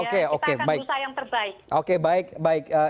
kita akan berusaha yang terbaik